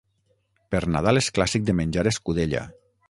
Per Nadal és clàssic de menjar escudella.